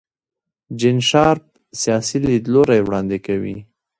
جین شارپ سیاسي لیدلوری وړاندې کوي.